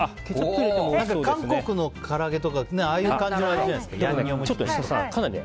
韓国のから揚げとかああいう感じヤンニョムね。